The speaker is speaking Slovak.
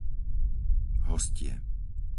Hostie